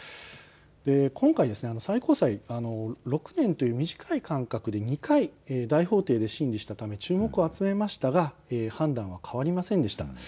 今回、最高裁、６年という短い間隔で２回大法廷で審理したため注目を集めましたが判断は変わりませんでした。